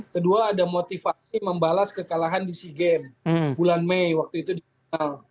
kedua ada motivasi membalas kekalahan di sea games bulan mei waktu itu di jepang